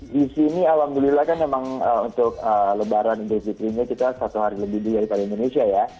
di sini alhamdulillah kan memang untuk lebaran idul fitrinya kita satu hari lebih daripada indonesia ya